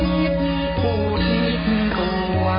ทรงเป็นน้ำของเรา